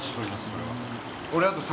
それは。